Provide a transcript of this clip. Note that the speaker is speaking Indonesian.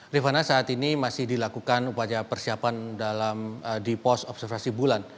rifana saat ini masih dilakukan upaya persiapan di pos observasi bulan